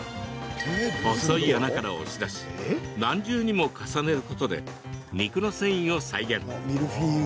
細い穴から押し出し何重にも重ねることで肉の線維を再現。